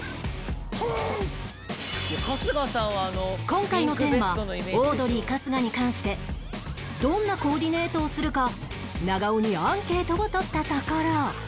今回のテーマオードリー春日に関してどんなコーディネートをするか長尾にアンケートを取ったところ